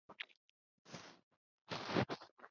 后崇祀新城乡贤祠。